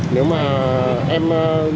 nếu mà em